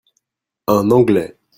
Un Anglais.